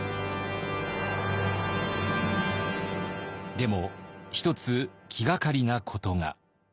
でも一つ気がかりなことが。